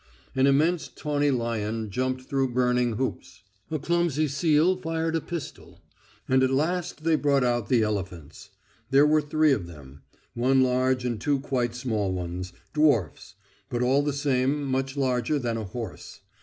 An immense tawny lion jumped through burning hoops. A clumsy seal fired a pistol. And at last they brought out the elephants. There were three of them: one large and two quite small ones, dwarfs; but all the same, much larger than a horse.